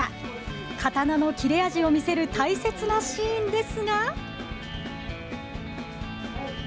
刀の切れ味を見せる大切なシーンですが。